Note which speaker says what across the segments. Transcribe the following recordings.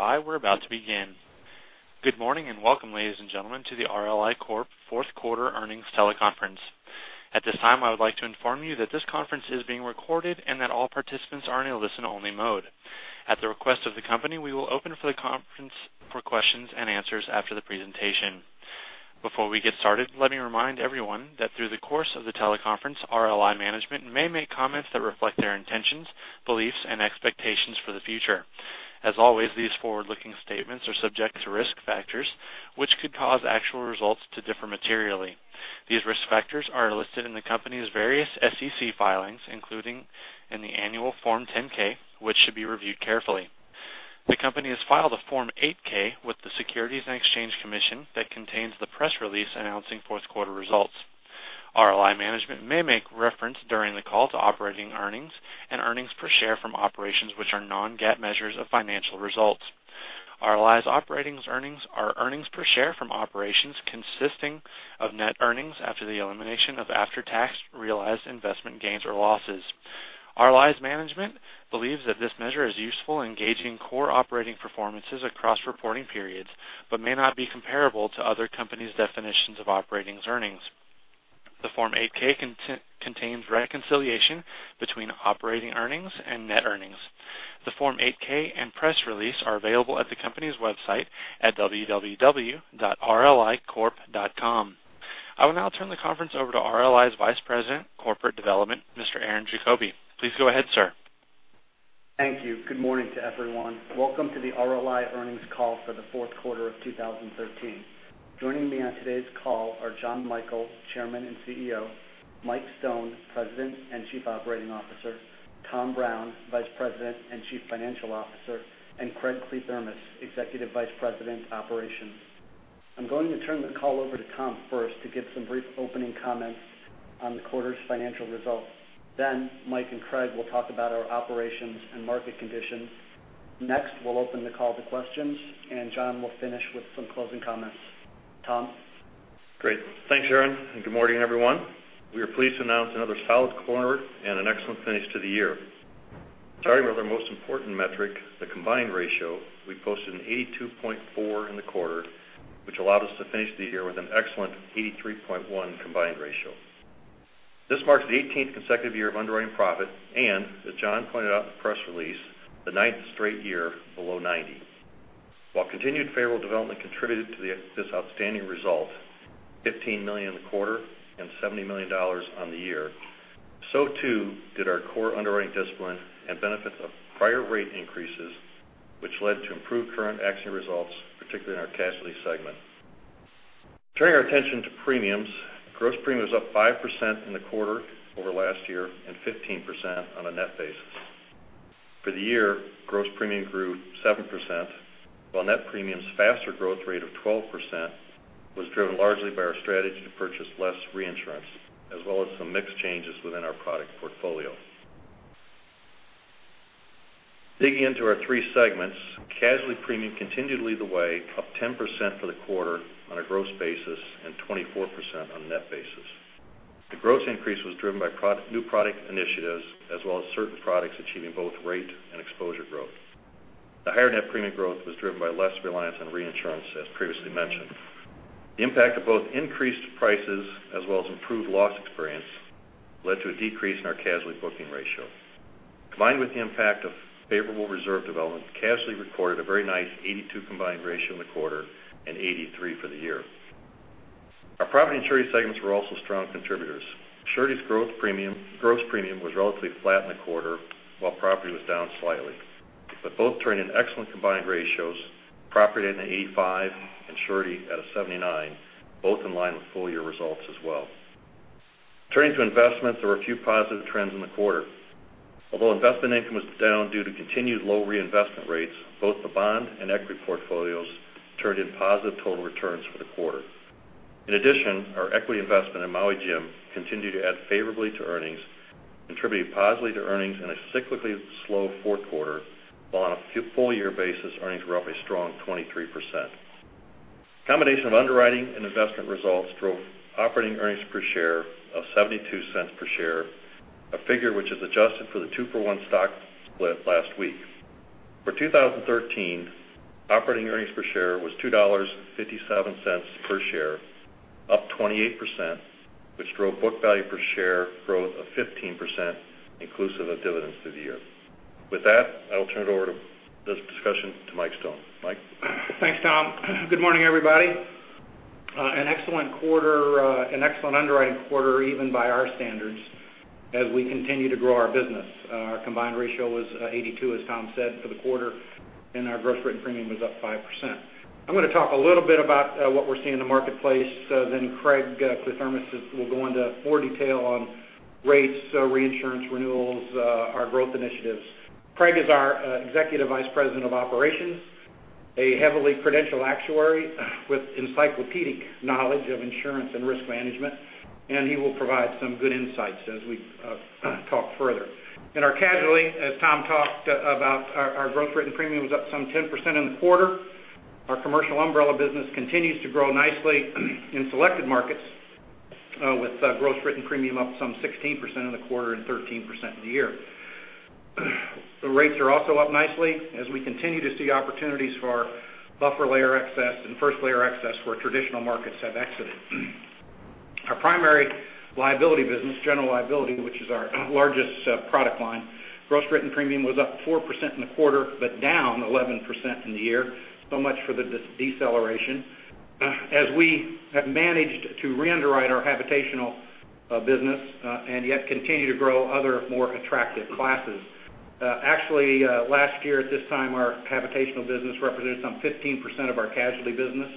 Speaker 1: Stand by. Welcome, ladies and gentlemen, to the RLI Corp. fourth quarter earnings teleconference. At this time, I would like to inform you that this conference is being recorded and that all participants are in a listen-only mode. At the request of the company, we will open for the conference for questions and answers after the presentation. Before we get started, let me remind everyone that through the course of the teleconference, RLI management may make comments that reflect their intentions, beliefs, and expectations for the future. As always, these forward-looking statements are subject to risk factors, which could cause actual results to differ materially. These risk factors are listed in the company's various SEC filings, including in the annual Form 10-K, which should be reviewed carefully. The company has filed a Form 8-K with the Securities and Exchange Commission that contains the press release announcing fourth quarter results. RLI management may make reference during the call to operating earnings and earnings per share from operations, which are non-GAAP measures of financial results. RLI's operating earnings are earnings per share from operations consisting of net earnings after the elimination of after-tax realized investment gains or losses. RLI's management believes that this measure is useful in gauging core operating performances across reporting periods but may not be comparable to other companies' definitions of operating earnings. The Form 8-K contains reconciliation between operating earnings and net earnings. The Form 8-K and press release are available at the company's website at www.rlicorp.com. I will now turn the conference over to RLI's Vice President of Corporate Development, Mr. Aaron Diefenthaler. Please go ahead, sir.
Speaker 2: Thank you. Good morning to everyone. Welcome to the RLI earnings call for the fourth quarter of 2013. Joining me on today's call are Jonathan Michael, Chairman and CEO, Michael Stone, President and Chief Operating Officer, Thomas Brown, Vice President and Chief Financial Officer, and Craig Kliethermes, Executive Vice President, Operations. I'm going to turn the call over to Thomas first to give some brief opening comments on the quarter's financial results. Michael and Craig will talk about our operations and market conditions. We'll open the call to questions, and Jonathan will finish with some closing comments. Thomas?
Speaker 3: Great. Thanks, Aaron, good morning, everyone. We are pleased to announce another solid quarter and an excellent finish to the year. Starting with our most important metric, the combined ratio, we posted an 82.4 in the quarter, which allowed us to finish the year with an excellent 83.1 combined ratio. This marks the 18th consecutive year of underwriting profit and, as Jonathan pointed out in the press release, the ninth straight year below 90. Continued favorable development contributed to this outstanding result, $15 million in the quarter and $70 million on the year, so too did our core underwriting discipline and benefits of prior rate increases, which led to improved current accident results, particularly in our casualty segment. Turning our attention to premiums, gross premium was up 5% in the quarter over last year and 15% on a net basis. For the year, gross premium grew 7%, while net premium's faster growth rate of 12% was driven largely by our strategy to purchase less reinsurance, as well as some mix changes within our product portfolio. Digging into our three segments, casualty premium continued to lead the way, up 10% for the quarter on a gross basis and 24% on a net basis. The gross increase was driven by new product initiatives as well as certain products achieving both rate and exposure growth. The higher net premium growth was driven by less reliance on reinsurance, as previously mentioned. The impact of both increased prices as well as improved loss experience led to a decrease in our casualty booking ratio. Combined with the impact of favorable reserve development, casualty reported a very nice 82 combined ratio in the quarter and 83 for the year. Our property and surety segments were also strong contributors. Surety's gross premium was relatively flat in the quarter, while property was down slightly. Both turned in excellent combined ratios, property at an 85 and surety at a 79, both in line with full-year results as well. Turning to investments, there were a few positive trends in the quarter. Although investment income was down due to continued low reinvestment rates, both the bond and equity portfolios turned in positive total returns for the quarter. In addition, our equity investment in Maui Jim continued to add favorably to earnings, contributing positively to earnings in a cyclically slow fourth quarter, while on a full-year basis, earnings were up a strong 23%. A combination of underwriting and investment results drove operating earnings per share of $0.72 per share, a figure which is adjusted for the two-for-one stock split last week. For 2013, operating earnings per share was $2.57 per share, up 28%, which drove book value per share growth of 15%, inclusive of dividends for the year. With that, I will turn over the discussion to Mike Stone. Mike?
Speaker 4: Thanks, Tom. Good morning, everybody. An excellent underwriting quarter, even by our standards, as we continue to grow our business. Our combined ratio was 82, as Tom said, for the quarter, and our gross written premium was up 5%. I'm going to talk a little bit about what we're seeing in the marketplace, then Craig Kliethermes will go into more detail on rates, reinsurance renewals, our growth initiatives. Craig is our Executive Vice President of Operations, a heavily credentialed actuary with encyclopedic knowledge of insurance and risk management, and he will provide some good insights as we talk further. In our casualty, as Tom talked about, our gross written premium was up some 10% in the quarter. Our commercial umbrella business continues to grow nicely in selected markets. With gross written premium up some 16% in the quarter and 13% in the year. The rates are also up nicely as we continue to see opportunities for our buffer layer excess and first layer excess where traditional markets have exited. Our primary liability business, general liability, which is our largest product line, gross written premium was up 4% in the quarter, but down 11% in the year. Much for the deceleration. As we have managed to re-underwrite our habitational business, and yet continue to grow other, more attractive classes. Actually, last year at this time, our habitational business represented some 15% of our casualty business.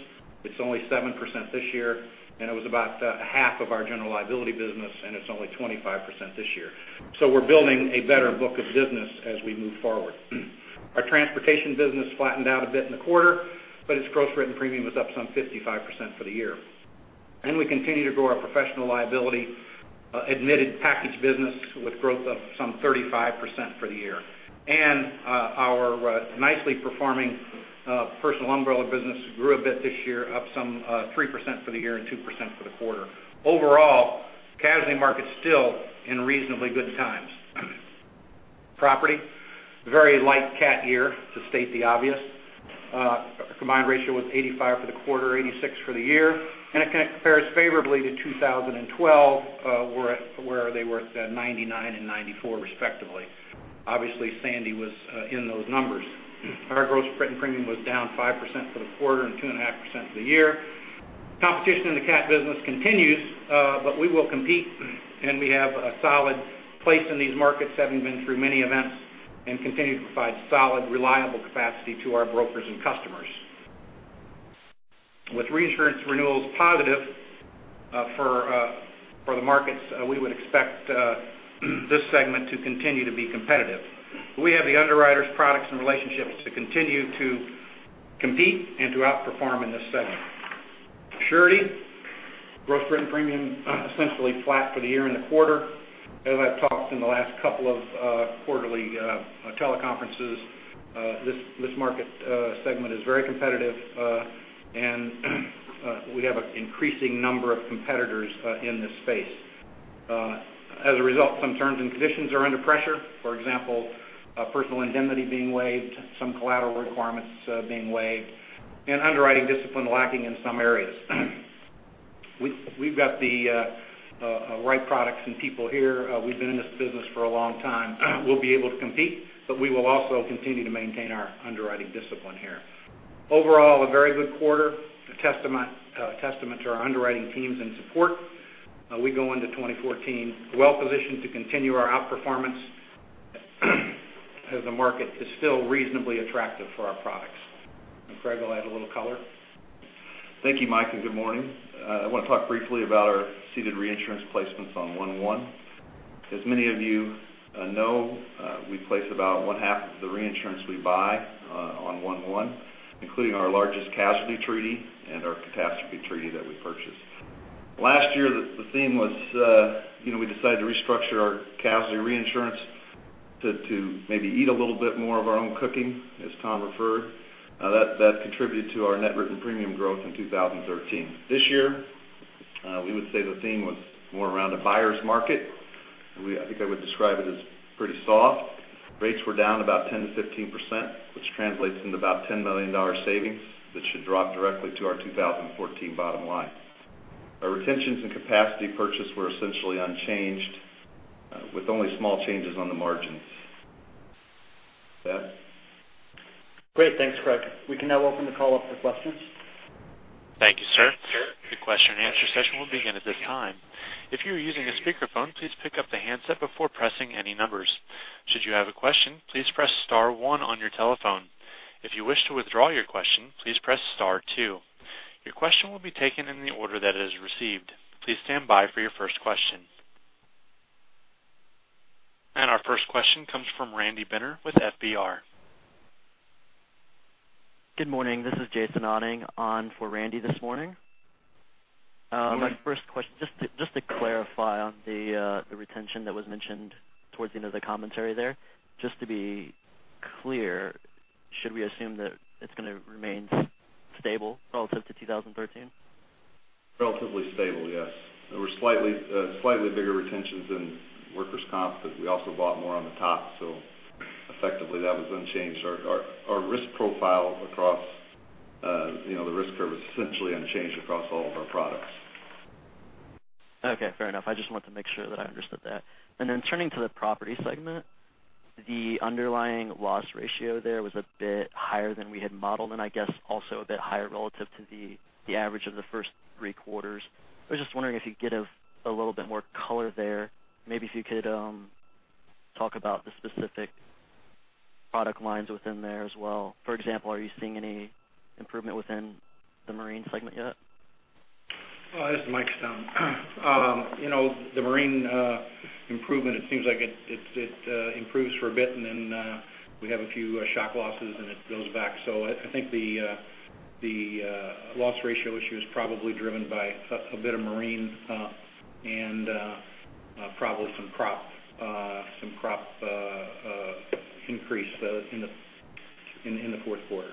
Speaker 4: It's only 7% this year, and it was about half of our general liability business, and it's only 25% this year. We're building a better book of business as we move forward. Our transportation business flattened out a bit in the quarter, but its gross written premium was up some 55% for the year. We continue to grow our professional liability admitted package business with growth of some 35% for the year. Our nicely performing personal umbrella business grew a bit this year, up some 3% for the year and 2% for the quarter. Overall, casualty market's still in reasonably good times. Property, very light cat year, to state the obvious. Combined ratio was 85 for the quarter, 86 for the year, and it compares favorably to 2012, where they were at 99 and 94, respectively. Obviously, Sandy was in those numbers. Our gross written premium was down 5% for the quarter and 2.5% for the year. Competition in the cat business continues, but we will compete, and we have a solid place in these markets, having been through many events, and continue to provide solid, reliable capacity to our brokers and customers. With reinsurance renewals positive for the markets, we would expect this segment to continue to be competitive. We have the underwriters, products, and relationships to continue to compete and to outperform in this segment. Surety, gross written premium, essentially flat for the year and the quarter. As I've talked in the last couple of quarterly teleconferences, this market segment is very competitive, and we have an increasing number of competitors in this space. As a result, some terms and conditions are under pressure. For example, personal indemnity being waived, some collateral requirements being waived, and underwriting discipline lacking in some areas. We've got the right products and people here. We've been in this business for a long time. We'll be able to compete, but we will also continue to maintain our underwriting discipline here. Overall, a very good quarter, a testament to our underwriting teams and support. We go into 2014 well positioned to continue our outperformance as the market is still reasonably attractive for our products. Craig will add a little color.
Speaker 5: Thank you, Mike, and good morning. I want to talk briefly about our ceded reinsurance placements on 1/1. As many of you know, we place about one half of the reinsurance we buy on 1/1, including our largest casualty treaty and our catastrophe treaty that we purchased. Last year, the theme was we decided to restructure our casualty reinsurance to maybe eat a little bit more of our own cooking, as Tom referred. That contributed to our net written premium growth in 2013. This year, we would say the theme was more around a buyer's market. I think I would describe it as pretty soft. Rates were down about 10%-15%, which translates into about $10 million savings that should drop directly to our 2014 bottom line. Our retentions and capacity purchase were essentially unchanged, with only small changes on the margins. With that.
Speaker 2: Great. Thanks, Craig. We can now open the call up for questions.
Speaker 1: Thank you, sir. The question and answer session will begin at this time. If you are using a speakerphone, please pick up the handset before pressing any numbers. Should you have a question, please press star one on your telephone. If you wish to withdraw your question, please press star two. Your question will be taken in the order that it is received. Please stand by for your first question. Our first question comes from Randy Binner with FBR.
Speaker 6: Good morning. This is Jason Aanning on for Randy this morning.
Speaker 5: Good morning.
Speaker 6: My first question, just to clarify on the retention that was mentioned towards the end of the commentary there. Just to be clear, should we assume that it's going to remain stable relative to 2013?
Speaker 5: Relatively stable, yes. There were slightly bigger retentions in workers' comp, but we also bought more on the top, so effectively that was unchanged. Our risk profile across the risk curve is essentially unchanged across all of our products.
Speaker 6: Okay, fair enough. I just wanted to make sure that I understood that. Turning to the property segment, the underlying loss ratio there was a bit higher than we had modeled, and I guess also a bit higher relative to the average of the first three quarters. I was just wondering if you could give a little bit more color there. Maybe if you could talk about the specific product lines within there as well. For example, are you seeing any improvement within the marine segment yet?
Speaker 4: This is Michael Stone. The marine improvement, it seems like it improves for a bit, and then we have a few shock losses, and it goes back. I think the loss ratio issue is probably driven by a bit of marine and probably some crop increase in the fourth quarter.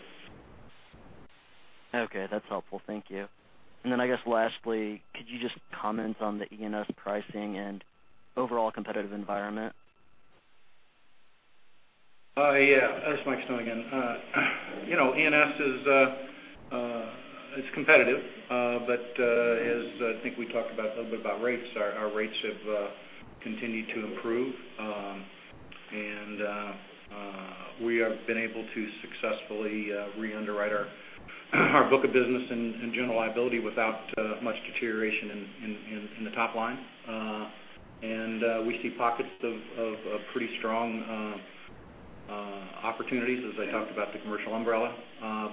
Speaker 6: Okay, that's helpful. Thank you. I guess lastly, could you just comment on the E&S pricing and overall competitive environment?
Speaker 4: Yeah. This is Michael Stone again. E&S is competitive, but as I think we talked about a little bit about rates, our rates have continued to improve. We have been able to successfully re-underwrite our book of business and general liability without much deterioration in the top line. We see pockets of pretty strong opportunities as I talked about the commercial umbrella.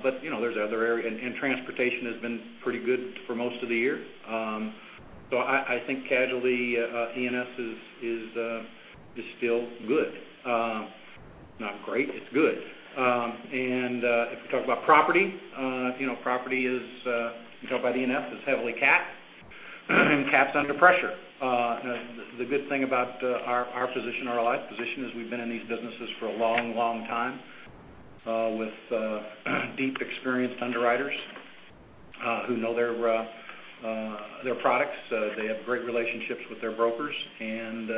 Speaker 4: There's other areas, transportation has been pretty good for most of the year. I think casualty E&S is still good. Not great, it's good. If we talk about property is, you talk about E&S, it's heavily capped, and capped under pressure. The good thing about our position, RLI's position, is we've been in these businesses for a long time with deep, experienced underwriters who know their products. They have great relationships with their brokers, and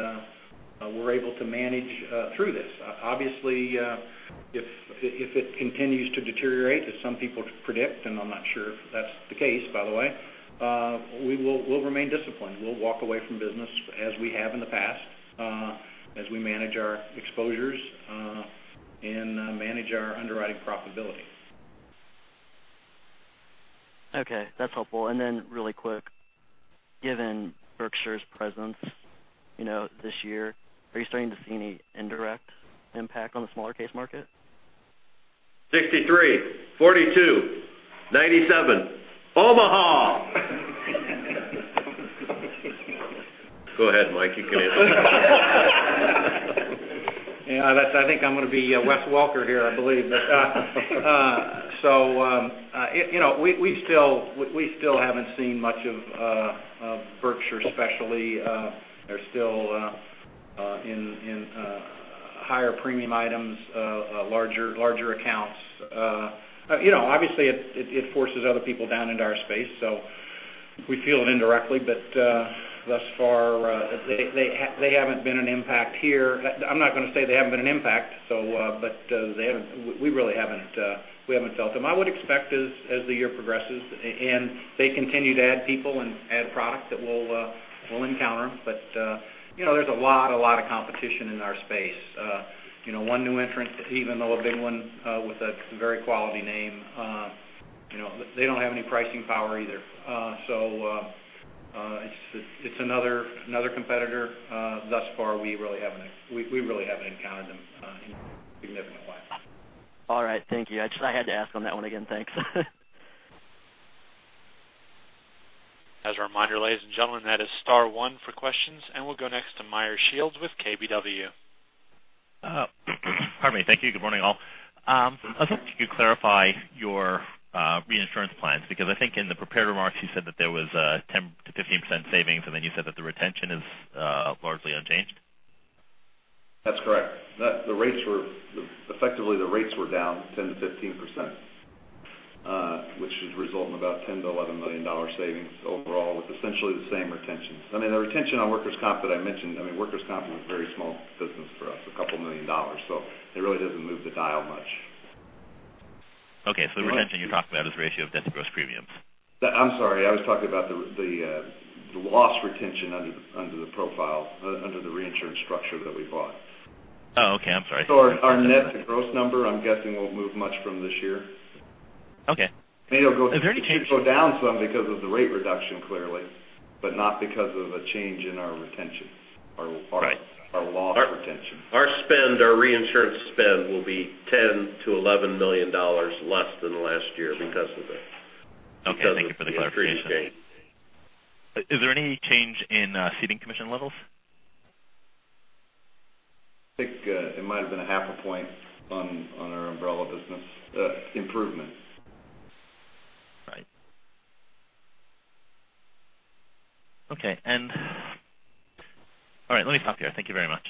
Speaker 4: we're able to manage through this. Obviously, if it continues to deteriorate as some people predict, I'm not sure if that's the case, by the way, we'll remain disciplined. We'll walk away from business as we have in the past, as we manage our exposures, and manage our underwriting profitability.
Speaker 6: Okay, that's helpful. Really quick, given Berkshire's presence this year, are you starting to see any indirect impact on the smaller case market?
Speaker 3: 63, 42, 97, Omaha.
Speaker 4: Go ahead, Mike. You can answer that. I think I'm going to be Wes Welker here, I believe. We still haven't seen much of Berkshire, especially. They're still in higher premium items, larger accounts. It forces other people down into our space. We feel it indirectly, but thus far, they haven't been an impact here. I'm not going to say they haven't been an impact, but we really haven't felt them. I would expect as the year progresses, and they continue to add people and add product, that we'll encounter them. There's a lot of competition in our space. One new entrant, even though a big one with a very quality name, they don't have any pricing power either. It's another competitor. We really haven't encountered them in a significant way.
Speaker 6: All right. Thank you. I had to ask on that one again. Thanks.
Speaker 1: As a reminder, ladies and gentlemen, that is star one for questions. We'll go next to Meyer Shields with KBW.
Speaker 7: Pardon me. Thank you. Good morning, all. I was hoping you could clarify your reinsurance plans because I think in the prepared remarks you said that there was a 10%-15% savings. You said that the retention is largely unchanged.
Speaker 4: That's correct. Effectively, the rates were down 10%-15%, which should result in about $10 million-$11 million savings overall, with essentially the same retentions. The retention on workers' comp that I mentioned, workers' comp is a very small business for us, a couple million dollars. It really doesn't move the dial much.
Speaker 5: Okay. The retention you're talking about is ratio of net to gross premiums.
Speaker 4: I'm sorry. I was talking about the loss retention under the profile, under the reinsurance structure that we bought.
Speaker 5: Oh, okay. I'm sorry. Our net to gross number, I'm guessing, won't move much from this year. Okay. It may go down some because of the rate reduction, clearly, but not because of a change in our retention. Right. Our loss retention.
Speaker 3: Our spend, our reinsurance spend, will be $10 million-$11 million less than last year because of the
Speaker 7: Okay. Thank you for the clarification.
Speaker 3: increased rates.
Speaker 7: Is there any change in ceding commission levels?
Speaker 5: I think it might've been a half a point on our umbrella business improvement.
Speaker 7: Right. Okay. All right. Let me stop there. Thank you very much.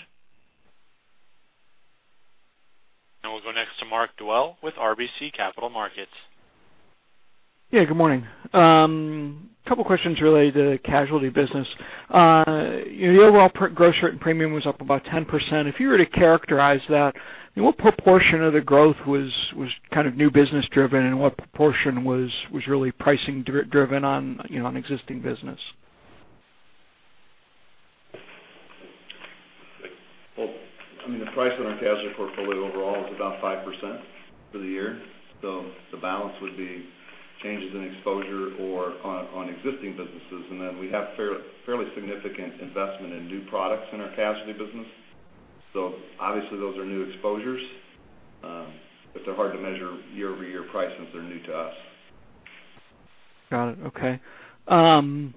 Speaker 1: We'll go next to Mark Dwelle with RBC Capital Markets.
Speaker 8: Yeah, good morning. Couple questions related to casualty business. The overall gross written premium was up about 10%. If you were to characterize that, what proportion of the growth was new business driven, and what proportion was really pricing driven on existing business?
Speaker 4: Well, the price on our casualty portfolio overall was about 5% for the year. The balance would be changes in exposure or on existing businesses, then we have fairly significant investment in new products in our casualty business. Obviously those are new exposures. They're hard to measure year-over-year price since they're new to us.
Speaker 8: Got it. Okay.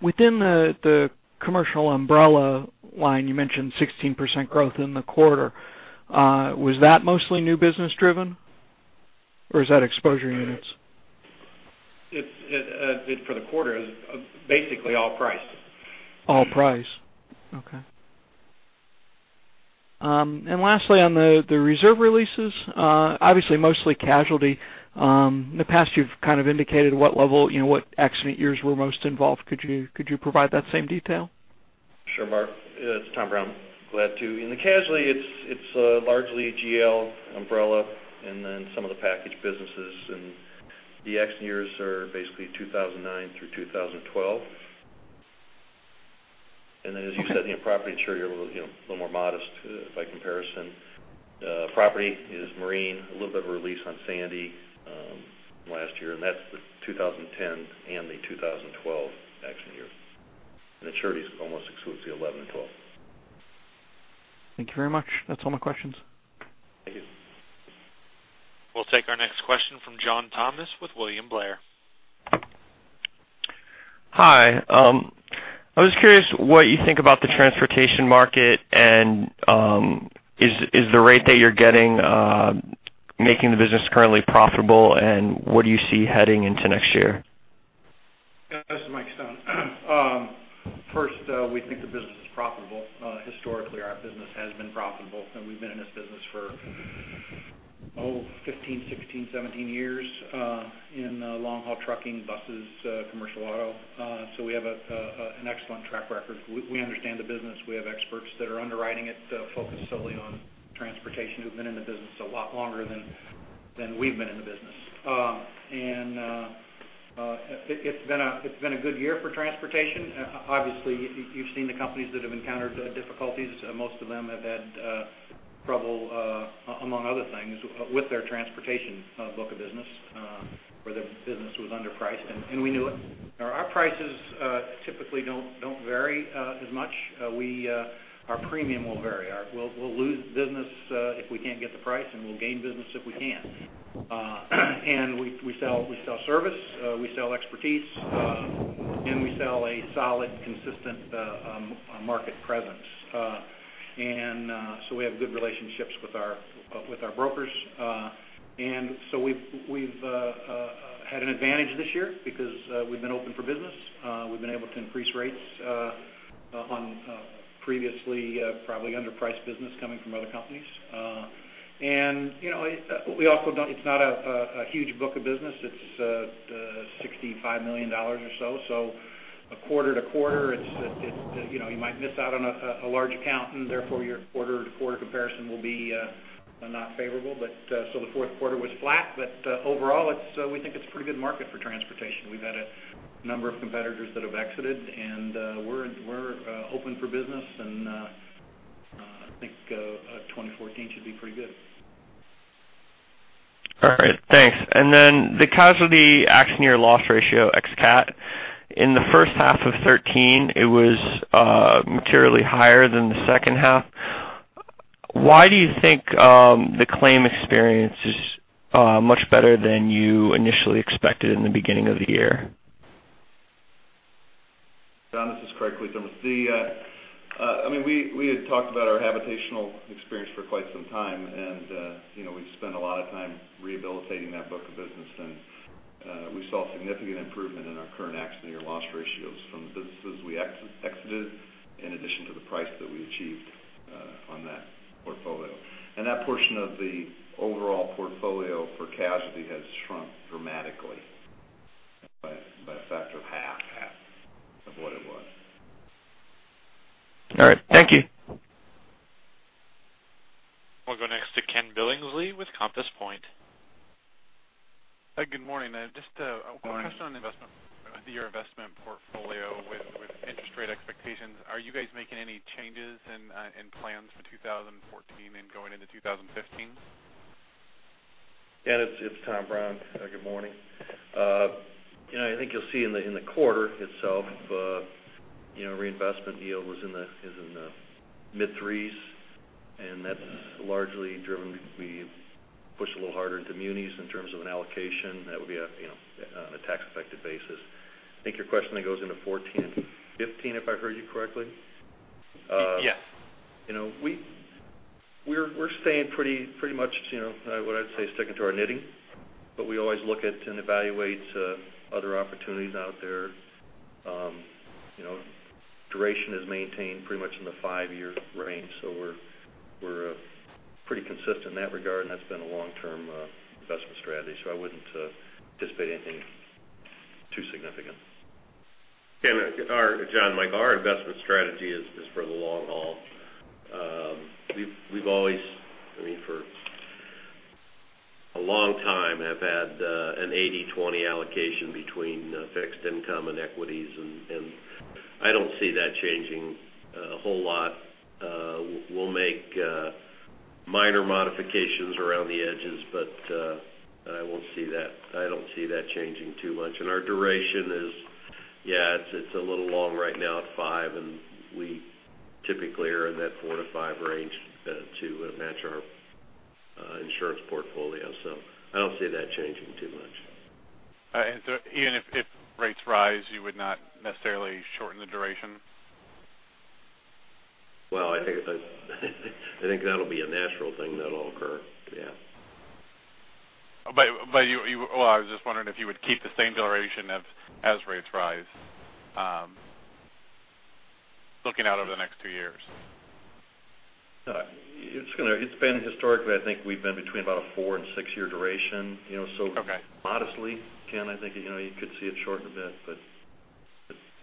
Speaker 8: Within the commercial umbrella line, you mentioned 16% growth in the quarter. Was that mostly new business driven, or is that exposure units?
Speaker 4: For the quarter, it was basically all price.
Speaker 8: All price? Okay. Lastly, on the reserve releases, obviously mostly casualty. In the past, you've kind of indicated what accident years were most involved. Could you provide that same detail?
Speaker 3: Sure, Mark. It's Tom Brown. Glad to. In the casualty, it's largely GL umbrella and then some of the package businesses. The accident years are basically 2009 through 2012. Then, as you said, in property and surety, a little more modest by comparison. Property is marine, a little bit of a release on Sandy last year, and that's the 2010 and the 2012 accident year. The surety is almost exclusively 2011 and 2012.
Speaker 8: Thank you very much. That's all my questions.
Speaker 3: Thank you.
Speaker 1: We'll take our next question from John Thomas with William Blair.
Speaker 9: Hi. I was curious what you think about the transportation market, is the rate that you're getting making the business currently profitable, what do you see heading into next year?
Speaker 4: This is Michael Stone. First, we think the business is profitable. Historically, our business has been profitable, we've been in this business for, oh, 15, 16, 17 years in long-haul trucking, buses, commercial auto. We have an excellent track record. We understand the business. We have experts that are underwriting it, focused solely on transportation, who've been in the business a lot longer than we've been in the business. It's been a good year for transportation. Obviously, you've seen the companies that have encountered difficulties. Most of them have had trouble, among other things, with their transportation book of business, where their business was underpriced, we knew it. Our prices typically don't vary as much. Our premium will vary. We'll lose business if we can't get the price, we'll gain business if we can. We sell service, we sell expertise, we sell a solid, consistent market presence. We have good relationships with our brokers. We've had an advantage this year because we've been open for business. We've been able to increase rates on previously probably underpriced business coming from other companies. It's not a huge book of business. It's $65 million or so. Quarter to quarter, you might miss out on a large account, and therefore, your quarter-to-quarter comparison will be not favorable. The fourth quarter was flat, overall, we think it's a pretty good market for transportation. We've had a number of competitors that have exited, we're open for business, I think 2014 should be pretty good.
Speaker 9: All right, thanks. The casualty accident year loss ratio ex cat. In the first half of 2013, it was materially higher than the second half. Why do you think the claim experience is much better than you initially expected in the beginning of the year?
Speaker 5: John, this is Craig Kliethermes. We had talked about our habitational experience for quite some time, we've spent a lot of time rehabilitating that book of business. We saw significant improvement in our current accident year loss ratios from the businesses we exited, in addition to the price that we achieved on that portfolio. That portion of the overall portfolio for casualty has shrunk dramatically by a factor of half of what it was.
Speaker 9: All right. Thank you.
Speaker 1: We'll go next to Ken Billingsley with Compass Point.
Speaker 10: Good morning. Just a question on the year investment portfolio with interest rate expectations. Are you guys making any changes in plans for 2014 and going into 2015?
Speaker 3: Yeah, it's Tom Brown. Good morning. I think you'll see in the quarter itself, reinvestment yield is in the mid threes. That's largely driven. We pushed a little harder into munis in terms of an allocation. That would be on a tax-effective basis. I think your question then goes into 2014 and 2015, if I heard you correctly.
Speaker 10: Yes.
Speaker 3: We're staying pretty much, what I'd say, sticking to our knitting. We always look at and evaluate other opportunities out there. Duration is maintained pretty much in the five-year range. We're pretty consistent in that regard, and that's been a long-term investment strategy. I wouldn't anticipate anything too significant.
Speaker 11: John, Mike. Our investment strategy is for the long haul. We've always, for a long time, have had an 80/20 allocation between fixed income and equities. I don't see that changing a whole lot. We'll make minor modifications around the edges. I won't see that. I don't see that changing too much. Our duration is, yeah, it's a little long right now at five, and we typically are in that four to five range to match our insurance portfolio. I don't see that changing too much.
Speaker 10: Even if rates rise, you would not necessarily shorten the duration?
Speaker 11: Well, I think that'll be a natural thing that'll occur.
Speaker 10: I was just wondering if you would keep the same duration as rates rise, looking out over the next two years.
Speaker 11: It's been historically, I think we've been between about a four- and six-year duration.
Speaker 10: Okay.
Speaker 11: Modestly, Ken, I think you could see it shorten a bit, but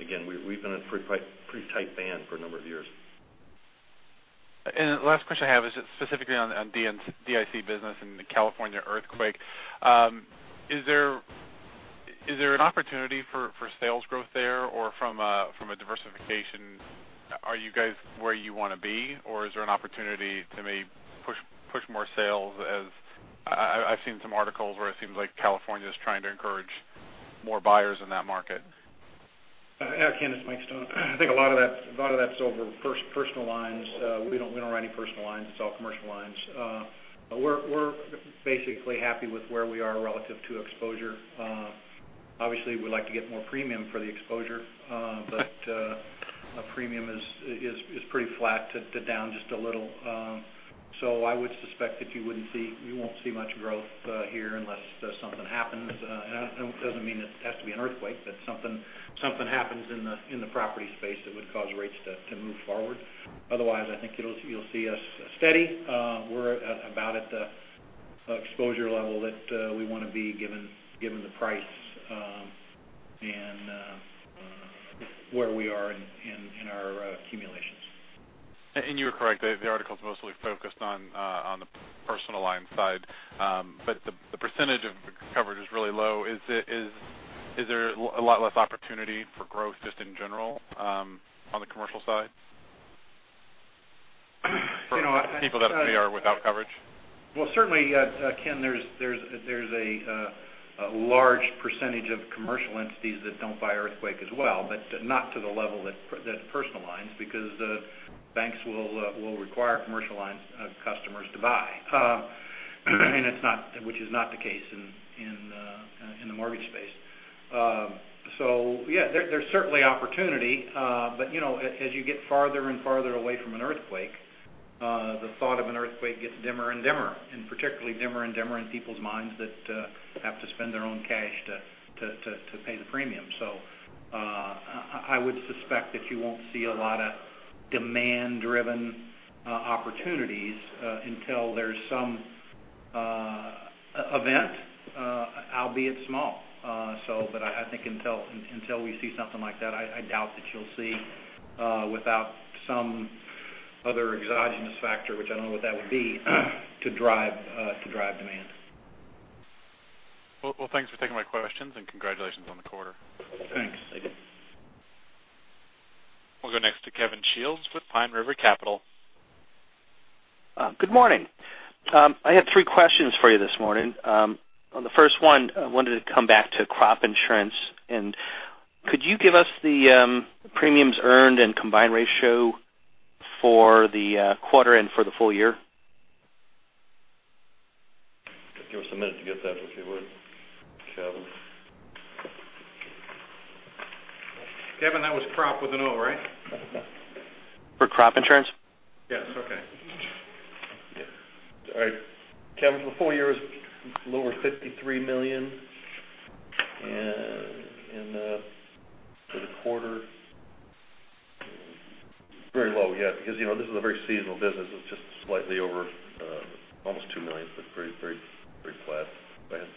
Speaker 11: again, we've been in a pretty tight band for a number of years.
Speaker 10: Last question I have is specifically on DIC business and the California earthquake. Is there an opportunity for sales growth there or from a diversification, are you guys where you want to be, or is there an opportunity to maybe push more sales? I've seen some articles where it seems like California's trying to encourage more buyers in that market.
Speaker 4: Ken, it's Michael Stone. I think a lot of that's over personal lines. We don't write any personal lines. It's all commercial lines. We're basically happy with where we are relative to exposure. Obviously, we'd like to get more premium for the exposure. Premium is pretty flat to down just a little. I would suspect that you won't see much growth here unless something happens. That doesn't mean it has to be an earthquake, but something happens in the property space that would cause rates to move forward. Otherwise, I think you'll see us steady. We're about at the exposure level that we want to be given the price, and where we are in our accumulations.
Speaker 10: You were correct, the article's mostly focused on the personal line side. The percentage of the coverage is really low. Is there a lot less opportunity for growth just in general on the commercial side for people that may or without coverage?
Speaker 4: Well, certainly, Ken, there's a large percentage of commercial entities that don't buy earthquake as well, but not to the level that personal lines because banks will require commercial lines customers to buy, which is not the case in the mortgage space. Yeah, there's certainly opportunity. As you get farther and farther away from an earthquake, the thought of an earthquake gets dimmer and dimmer, and particularly dimmer and dimmer in people's minds that have to spend their own cash to pay the premium. I would suspect that you won't see a lot of demand-driven opportunities until there's some event, albeit small. I think until we see something like that, I doubt that you'll see without some other exogenous factor, which I don't know what that would be, to drive demand.
Speaker 10: Well, thanks for taking my questions, congratulations on the quarter.
Speaker 4: Thanks.
Speaker 1: We'll go next to Kevin Shields with Pine River Capital.
Speaker 12: Good morning. I have three questions for you this morning. On the first one, I wanted to come back to crop insurance. Could you give us the premiums earned and combined ratio for the quarter and for the full year?
Speaker 4: Give us a minute to get that if you would, Kevin. Kevin, that was crop with an O, right?
Speaker 12: For crop insurance?
Speaker 4: Yes. Okay. All right. Kevin, for the full year it was lower, $53 million. For the quarter, very low because this is a very seasonal business. It's just slightly over almost $2 million, but very flat. Go ahead.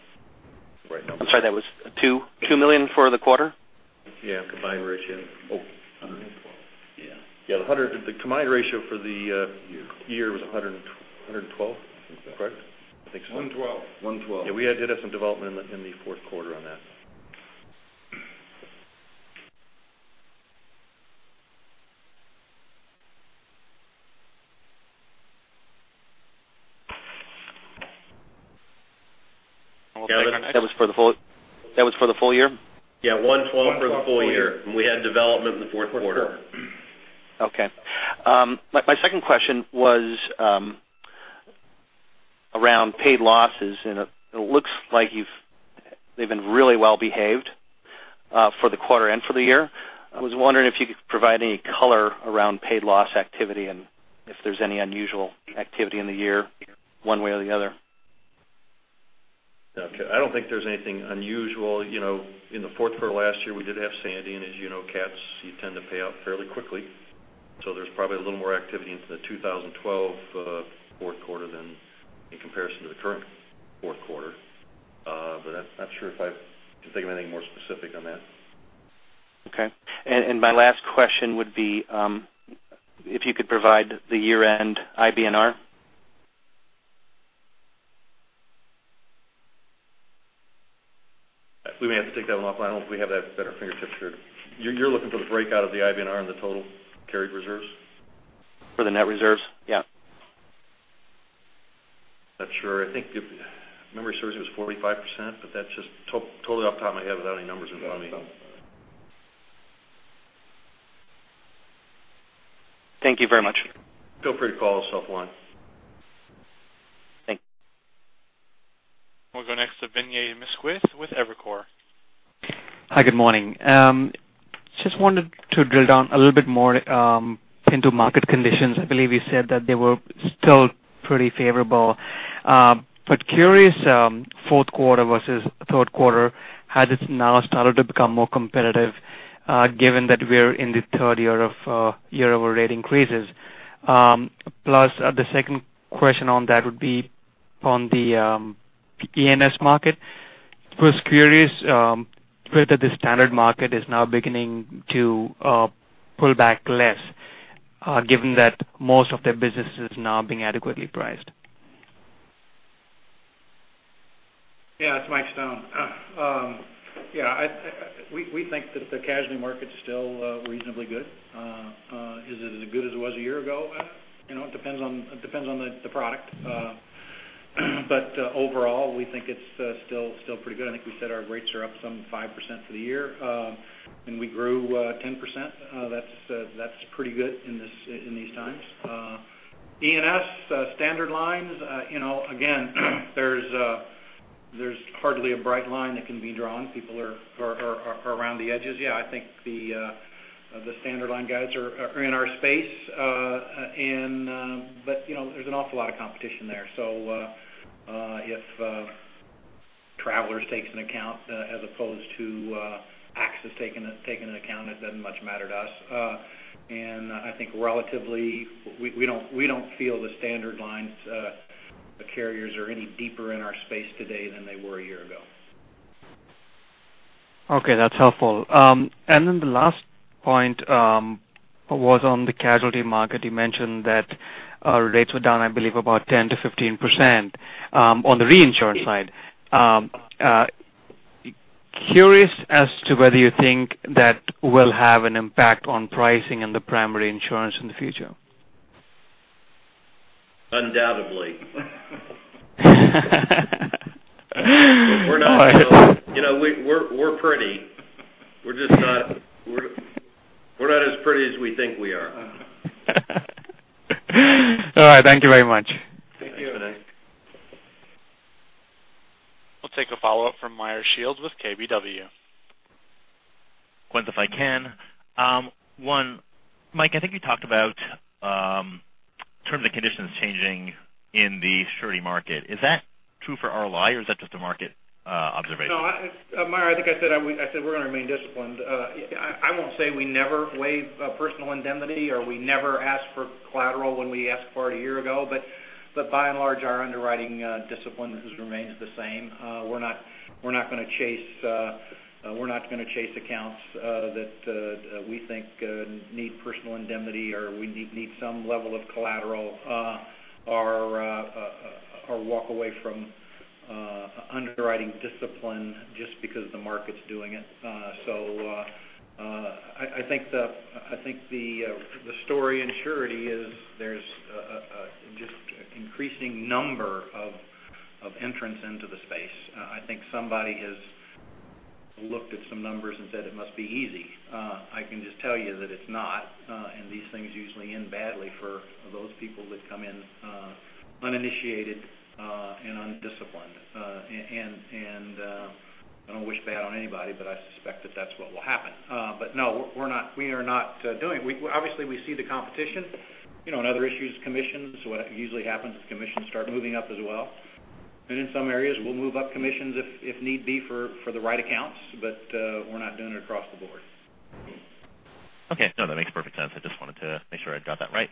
Speaker 12: I'm sorry, that was 2 million for the quarter?
Speaker 4: Yeah, combined ratio.
Speaker 3: 112.
Speaker 4: Yeah. The combined ratio for.
Speaker 3: Year
Speaker 4: year was 112%.
Speaker 3: I think so.
Speaker 4: Correct? I think so.
Speaker 3: 112.
Speaker 4: 112. Yeah, we did have some development in the fourth quarter on that.
Speaker 1: We'll take our next.
Speaker 12: That was for the full year?
Speaker 4: Yeah, 112 for the full year. We had development in the fourth quarter.
Speaker 12: Okay. My second question was around paid losses, and it looks like they've been really well-behaved for the quarter and for the year. I was wondering if you could provide any color around paid loss activity, and if there's any unusual activity in the year, one way or the other.
Speaker 4: Okay. I don't think there's anything unusual. In the fourth quarter last year, we did have Sandy, and as you know, cat losses, you tend to pay out fairly quickly. There's probably a little more activity into the 2012 fourth quarter than in comparison to the current fourth quarter. I'm not sure if I can think of anything more specific on that.
Speaker 12: Okay. My last question would be if you could provide the year-end IBNR?
Speaker 4: We may have to take that one offline. I don't know if we have that at our fingertips here. You're looking for the breakout of the IBNR and the total carried reserves?
Speaker 12: For the net reserves, yeah.
Speaker 4: Not sure. I think if memory serves me, it was 45%, but that's just totally off the top of my head without any numbers in front of me.
Speaker 12: Thank you very much.
Speaker 4: Feel free to call us offline.
Speaker 12: Thank you.
Speaker 1: We'll go next to Vincent Miskowicz with Evercore.
Speaker 13: Hi, good morning. Just wanted to drill down a little bit more into market conditions. I believe you said that they were still pretty favorable. Curious, fourth quarter versus third quarter, has it now started to become more competitive given that we're in the third year of year-over-rate increases? The second question on that would be on the E&S market. Just curious whether the standard market is now beginning to pull back less given that most of their business is now being adequately priced.
Speaker 4: It's Mike Stone. We think that the casualty market's still reasonably good. Is it as good as it was a year ago? It depends on the product. Overall, we think it's still pretty good. I think we said our rates are up some 5% for the year. We grew 10%. That's pretty good in these times. E&S standard lines, again, there's hardly a bright line that can be drawn. People are around the edges. I think the standard line guys are in our space. There's an awful lot of competition there. If Travelers takes an account as opposed to AXIS taking an account, it doesn't much matter to us. I think relatively, we don't feel the standard lines carriers are any deeper in our space today than they were a year ago.
Speaker 13: Okay, that's helpful. The last point was on the casualty market. You mentioned that rates were down, I believe, about 10%-15% on the reinsurance side. Curious as to whether you think that will have an impact on pricing and the primary insurance in the future.
Speaker 4: Undoubtedly. We're pretty. We're just not as pretty as we think we are.
Speaker 13: All right. Thank you very much.
Speaker 4: Thank you.
Speaker 1: We'll take a follow-up from Meyer Shields with KBW.
Speaker 7: Quick, if I can. One, Mike, I think you talked about terms and conditions changing in the surety market. Is that true for RLI, or is that just a market observation?
Speaker 4: No, Meyer, I think I said we're going to remain disciplined. I won't say we never waive personal indemnity or we never ask for collateral when we ask for it a year ago. By and large, our underwriting discipline remains the same. We're not going to chase accounts that we think need personal indemnity, or we need some level of collateral or walk away from underwriting discipline just because the market's doing it. I think the story in surety is there's just an increasing number of entrants into the space. I think somebody has looked at some numbers and said it must be easy. I can just tell you that it's not, and these things usually end badly for those people that come in uninitiated and undisciplined. I don't wish bad on anybody, but I suspect that that's what will happen. No, obviously, we see the competition. Another issue is commissions. What usually happens is commissions start moving up as well. In some areas, we'll move up commissions if need be for the right accounts, but we're not doing it across the board.
Speaker 7: Okay. No, that makes perfect sense. I just wanted to make sure I got that right.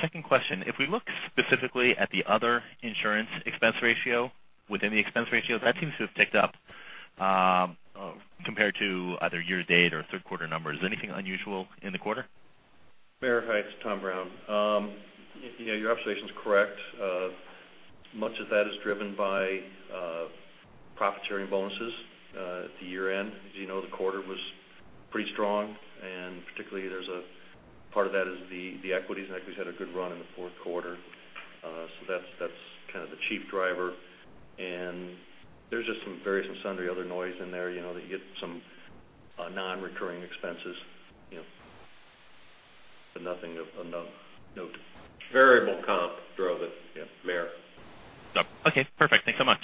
Speaker 7: Second question, if we look specifically at the other insurance expense ratio within the expense ratio, that seems to have ticked up compared to either year-to-date or third quarter numbers. Anything unusual in the quarter?
Speaker 3: Meyer, hi, it's Tom Brown. Your observation's correct. Much of that is driven by profit-sharing bonuses at the year-end. As you know, the quarter was pretty strong, and particularly part of that is the equities. Equities had a good run in the fourth quarter. That's kind of the chief driver. There's just some various and sundry other noise in there, that you get some non-recurring expenses, but nothing of note.
Speaker 4: Variable comp drove it, yeah, Meyer.
Speaker 7: Okay, perfect. Thanks so much.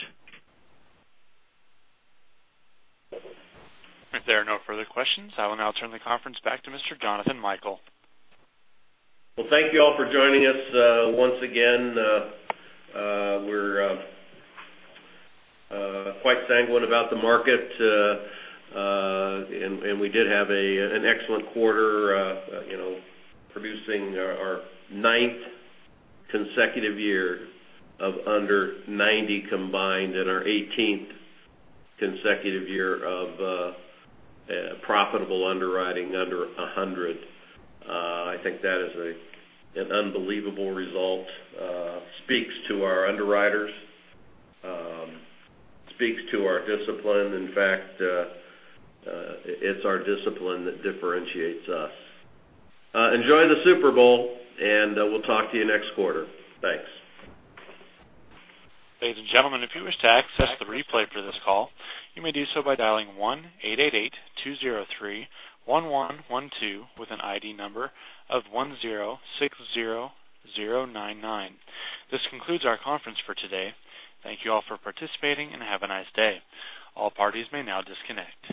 Speaker 1: If there are no further questions, I will now turn the conference back to Mr. Jonathan Michael.
Speaker 11: Well, thank you all for joining us once again. We're quite sanguine about the market. We did have an excellent quarter producing our ninth consecutive year of under 90 combined and our 18th consecutive year of profitable underwriting under 100. I think that is an unbelievable result. Speaks to our underwriters, speaks to our discipline. In fact, it's our discipline that differentiates us. Enjoy the Super Bowl. We'll talk to you next quarter. Thanks.
Speaker 1: Ladies and gentlemen, if you wish to access the replay for this call, you may do so by dialing 1-888-203-1112 with an ID number of 1060099. This concludes our conference for today. Thank you all for participating. Have a nice day. All parties may now disconnect.